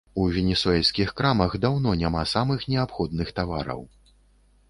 У венесуэльскіх крамах даўно няма самых неабходных тавараў.